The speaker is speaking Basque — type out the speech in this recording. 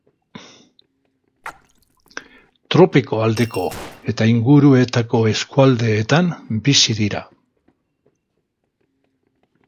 Tropiko aldeko eta inguruetako eskualdeetan bizi dira.